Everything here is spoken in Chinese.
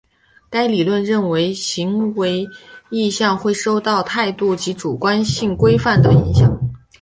该理论认为行为意向会受到态度及主观性规范的影响。